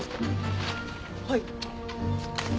はい。